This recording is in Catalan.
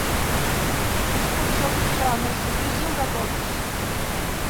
És potser el mitjà més difícil de tots.